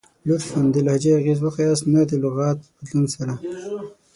لطفاً ، د لهجې اغیز وښایست نه د لغات په بدلون سره!